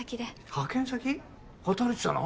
派遣先？働いてたの？